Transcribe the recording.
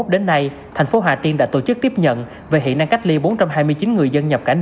đến nay tp hà tiên đã tổ chức tiếp nhận về hiện đang cách ly bốn trăm hai mươi chín người dân nhập cảnh